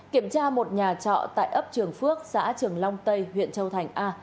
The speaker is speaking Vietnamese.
kiểm tra một nhà trọ tại ấp trường phước xã trường long tây huyện châu thành a